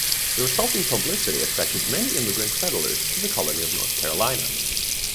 The resulting publicity attracted many immigrant settlers to the colony of North Carolina.